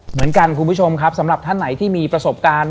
คุณผู้ชมครับสำหรับท่านไหนที่มีประสบการณ์